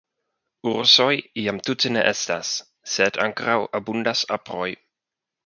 Ursoj jam tute ne estas sed ankoraŭ abundas aproj.